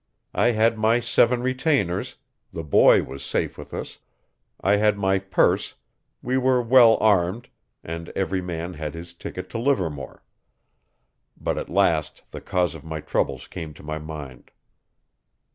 I had my seven retainers, the boy was safe with us, I had my purse, we were well armed, and every man had his ticket to Livermore. But at last the cause of my troubles came to my mind.